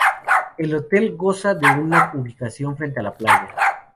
El hotel goza de una ubicación frente a la playa.